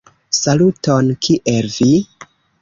Saluton! Kiel vi?